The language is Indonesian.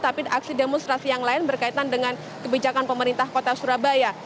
tapi aksi demonstrasi yang lain berkaitan dengan kebijakan pemerintah kota surabaya